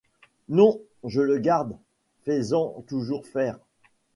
Non, je le garde ; fais-en toujours faire.